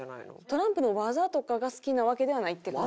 トランプの技とかが好きなわけではないって感じ。